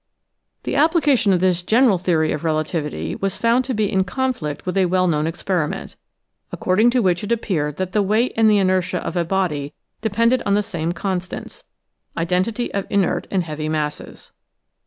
The appli cation of this general theory of relativity was found to be in conflict with a well known experiment, according to which it appeared that the weight and the inertia of a body depended on the same constants (identity of inert and heavy masses).